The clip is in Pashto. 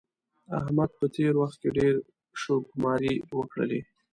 احمد په تېر وخت کې ډېرې شوکماری وکړلې.